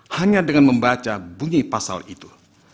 hanya dengan membaca bunyi pasal itu